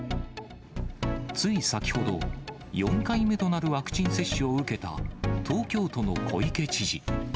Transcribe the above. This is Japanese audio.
つい先ほど、４回目となるワクチン接種を受けた東京都の小池知事。